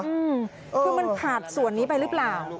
คือมันขาดส่วนนี้ไปหรือเปล่า